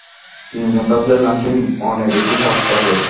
তিনজন থাকলে নাকি মনে বেশি সাহস থাকে।